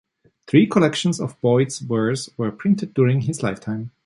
Three collections of Boyd's verse were printed during his lifetime.